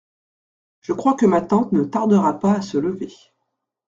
Je crois que ma tante ne tardera pas à se lever.